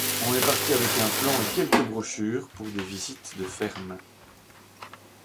On est partis avec un plan et quelques brochures pour des visites de fermes.